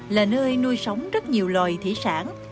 là nơi nuôi sống rất nhiều loài thủy sản